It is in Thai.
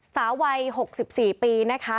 สาววัย๖๔ปีนะคะ